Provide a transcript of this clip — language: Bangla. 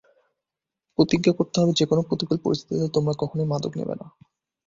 প্রতিজ্ঞা করতে হবে, যেকোনো প্রতিকূল পরিস্থিতিতে তোমরা কখনোই মাদক নেবে না।